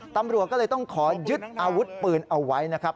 ตำรวจก็เลยต้องขอยึดอาวุธปืนเอาไว้นะครับ